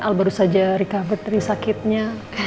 al baru saja recover dari sakitnya